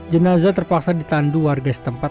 jenazah terpaksa ditandu warga setempat